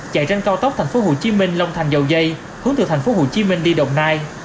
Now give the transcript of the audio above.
chạy trên cao tốc tp hcm long thành dầu dây hướng từ tp hcm đi đồng nai